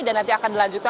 dan nanti akan dilanjutkan